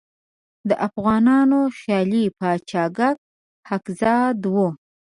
د افغانانو خیالي پاچا کک کهزاد وو.